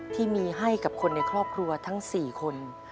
ที่มีให้กับคนในครอบครัวทั้ง๔คน